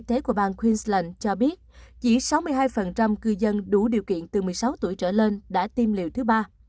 bộ y tế của bang queensland cho biết chỉ sáu mươi hai cư dân đủ điều kiện từ một mươi sáu tuổi trở lên đã tiêm liệu thứ ba